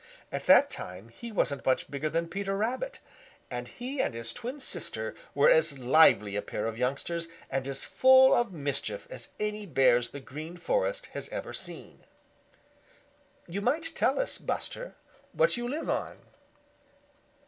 At that time he wasn't much bigger than Peter Rabbit, and he and his twin sister were as lively a pair of youngsters and as full of mischief as any Bears the Green Forest has ever seen. You might tell us, Buster, what you live on."